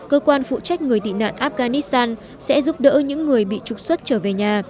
cơ quan phụ trách người tị nạn afghanistan sẽ giúp đỡ những người bị trục xuất trở về nhà